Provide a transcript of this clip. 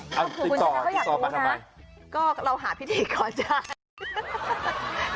ถ้าคือคุณชายก็อยากรู้ก็ทำผีติกก่อนจ่าย